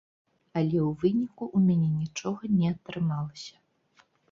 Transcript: Але ў выніку ў мяне нічога не атрымалася.